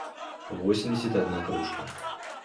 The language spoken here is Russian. восемьдесят одна кружка